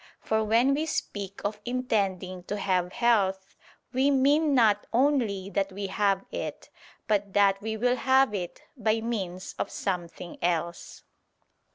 For when we speak of intending to have health, we mean not only that we have it, but that we will have it by means of something else.